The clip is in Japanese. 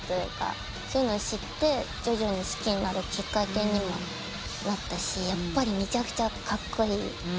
そういうのを知って徐々に好きになるきっかけにもなったしやっぱりめちゃくちゃカッコイイ。